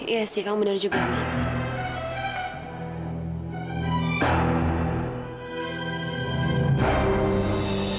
iya sih kamu benar juga ma